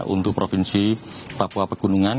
untuk provinsi papua pegunungan